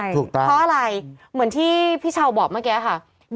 เพราะอะไรเหมือนที่พี่เช้าบอกเมื่อกี้